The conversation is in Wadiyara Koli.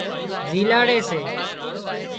زيلاڙي سي